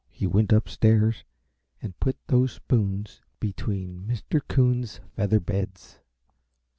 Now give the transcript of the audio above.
He went upstairs and put those spoons between Mr. Coon's feather beds.